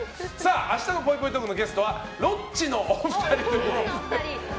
明日のぽいぽいトークのゲストはロッチのお二人ということで。